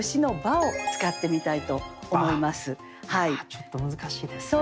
ちょっと難しいですね。